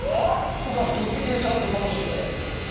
僕助手席でちゃんと楽しんで。